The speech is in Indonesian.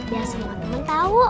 ya semua temen tau